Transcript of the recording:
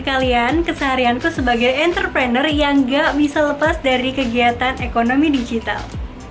kalian keseharianku sebagai entrepreneur yang gak bisa lepas dari kegiatan ekonomi digital